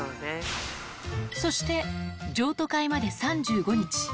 そして、譲渡会まで３５日。